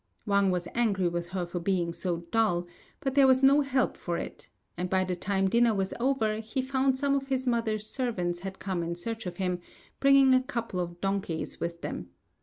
Wang was angry with her for being so dull, but there was no help for it; and by the time dinner was over he found some of his mother's servants had come in search of him, bringing a couple of donkeys with them.